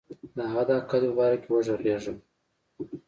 د هغه د عقایدو په باره کې وږغېږم.